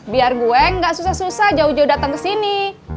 biar gue gak susah susah jauh jauh datang kesini